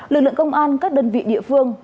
lực lượng công an các đơn vị địa phương